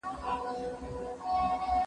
هغه څوک چي مينه څرګندوي مهربان وي!.